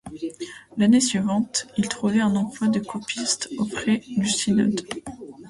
L'année suivante il trouvait un emploi de copiste auprès du Synode.